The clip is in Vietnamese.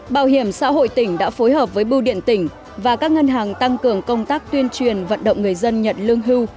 bảo hiểm xã hội tỉnh đã phối hợp với bưu điện tỉnh và các ngân hàng tăng cường công tác tuyên truyền vận động người dân nhận lương hưu